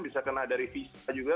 bisa kena dari visa juga